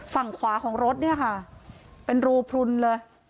ฝั่งขวาของรถเนี่ยค่ะเป็นรูพลุนเลย